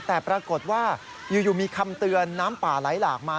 แต่ปรากฏว่าอยู่มีคำเตือนน้ำป่าไหลหลากมา